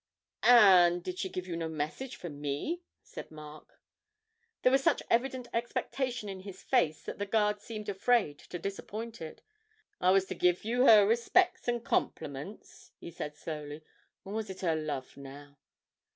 'And did she give you no message for me?' said Mark. There was such evident expectation in his face that the guard seemed afraid to disappoint it. 'I was to give you her respecks and compliments,' he said slowly 'or was it her love, now?'